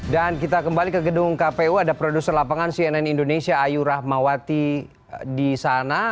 dan kita kembali ke gedung kpu ada produser lapangan cnn indonesia ayu rahmawati di sana